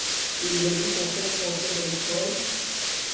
et il a vu son sexe rentrer dans les poils.